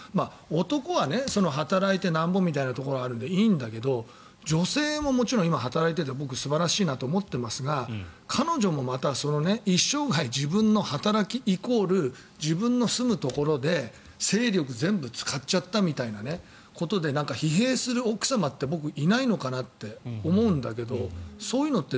男は働いてなんぼみたいなところがあるのでいいんだけど女性ももちろん今、働いてて僕、素晴らしいなと思っていますが彼女もまた一生涯自分の働きイコール自分の住むところで、精力全部使っちゃったみたいなことで疲弊する奥様って僕、いないのかな？って思うんだけどそういうのって。